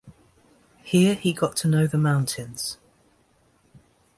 Here he got to know the mountains.